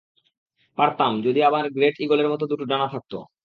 পারতাম, যদি আমার গ্রেট ঈগলের মতো দুটো ডানা থাকত।